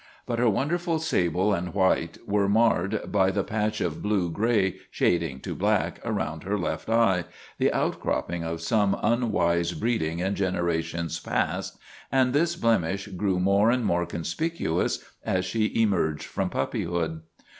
But her wonderful sable and white were marred by the patch of blue gray shad ing to black around her left eye, the outcropping of some unwise breeding in generations past, and this blemish grew more and more conspicuous as she emerged from puppyhood.